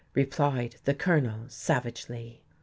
replied the Colonel, savagely.